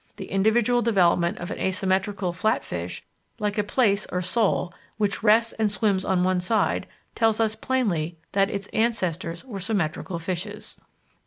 The individual development of an asymmetrical flat fish, like a plaice or sole, which rests and swims on one side, tells us plainly that its ancestors were symmetrical fishes.